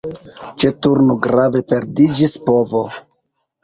Ĉe turno grave perdiĝis povo.